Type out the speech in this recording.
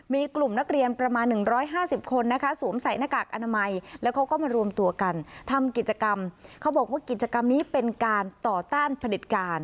มีกลุ่มนักเรียนประมาณ๑๕๐คนนะคะ